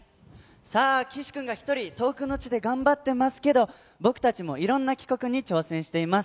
さあ、岸君が一人、遠くの地で頑張っていますけれども、僕たちもいろんな企画に挑戦しています。